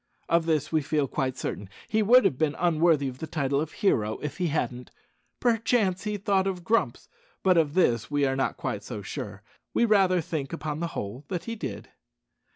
Of this we feel quite certain. He would have been unworthy the title of hero if he hadn't. Perchance he thought of Grumps, but of this we are not quite so sure. We rather think, upon the whole, that he did.